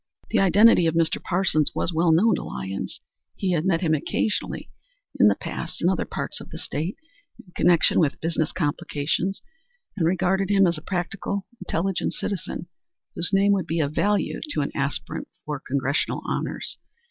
The identity of Mr. Parsons was well known to Lyons. He had met him occasionally in the past in other parts of the State in connection with business complications, and regarded him as a practical, intelligent citizen whose name would be of value to an aspirant for Congressional honors.